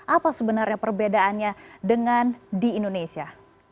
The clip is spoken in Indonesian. apa sebenarnya perbedaannya dengan di indonesia